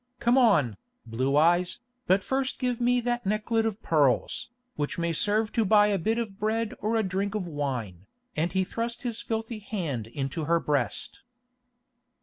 Come on, Blue Eyes, but first give me that necklet of pearls, which may serve to buy a bit of bread or a drink of wine," and he thrust his filthy hand into her breast.